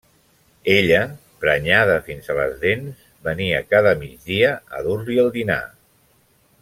Ella, prenyada fins a les dents, venia cada migdia a dur-li el dinar.